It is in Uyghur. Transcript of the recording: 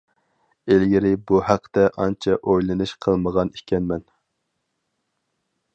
ئىلگىرى بۇ ھەقتە ئانچە ئويلىنىش قىلمىغان ئىكەنمەن.